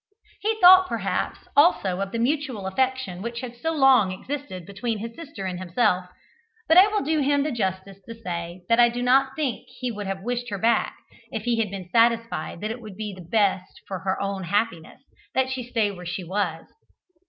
He thought, perhaps, also of the mutual affection which had so long existed between his sister and himself; but I will do him the justice to say that I do not think he would have wished her back if he had been satisfied that it would be best for her own happiness that she should stay where she was.